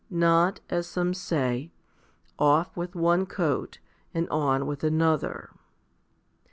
not, as some say, " Off with one coat, and on with another." 42.